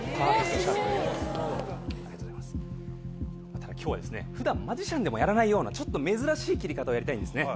ただ今日はですね普段マジシャンでもやらないようなちょっと珍しい切り方をやりたいんですね。